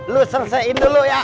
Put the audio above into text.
lu selesaiin dulu ya